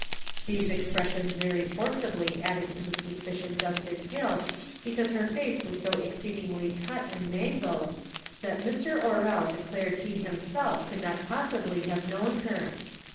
These expressions very forcibly added to the suspicions of his guilt, because her face was so exceedingly cut and mangled, that Mr. Orrell declared he himself could not possibly have known her.